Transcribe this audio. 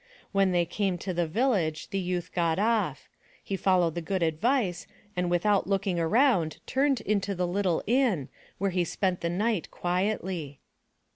When they came to the village the youth got off. He followed the good advice, and without looking around turned into the little inn, where he spent the night quietly.